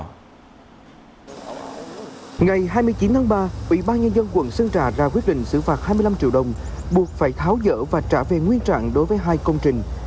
ngày hai mươi chín tháng ba ủy ban nhân dân quận sơn trà ra quyết định xử phạt hai mươi năm triệu đồng buộc phải tháo dỡ và trả về nguyên trạng đối với hai công trình